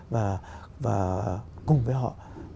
và cùng với họ